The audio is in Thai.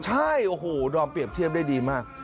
ใช่โอ้โหดอมเปรียบเทียบได้ดีมาก